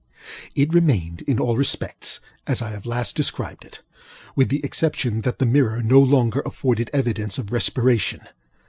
It remained in all respects as I have last described it, with the exception that the mirror no longer afforded evidence of respiration.